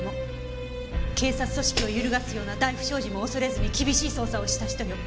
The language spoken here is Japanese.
警察組織を揺るがすような大不祥事も恐れずに厳しい捜査をした人よ。